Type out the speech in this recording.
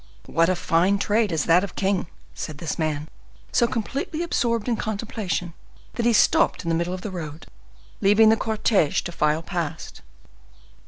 "What a fine trade is that of king!" said this man, so completely absorbed in contemplation that he stopped in the middle of the road, leaving the cortege to file past.